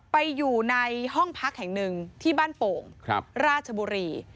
ไปอยู่ในห้องพักแห่งหนึ่งที่บ้านโป่งราชบุรี